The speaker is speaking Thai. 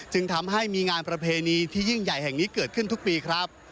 จึงทำให้มีงานประเพณีที่ยิ่งใหญ่แห่งนี้เกิดขึ้นทุกปีครับ